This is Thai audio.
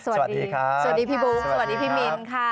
สวัสดีครับสวัสดีพี่บุ๊คสวัสดีพี่มินค่ะ